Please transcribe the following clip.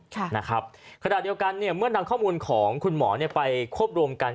ขดาดเดียวกันเมื่อทำข้อมูลของคุณหมอไปครบรวมกัน